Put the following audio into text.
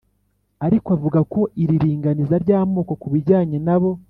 ariko, avuga ko iri ringaniza ry’amoko ku bijyanye nabo